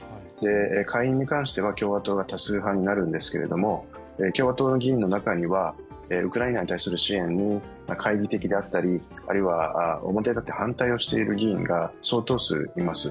下院に関しては共和党が多数派になるんですけど共和党の議員の中にはウクライナに対する支援に懐疑的であったりあるいは表立って反対をしている議員が相当数います。